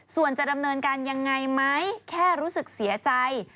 ส่วนจะดำเนินการยังไงไหมแค่รู้สึกเสียใจ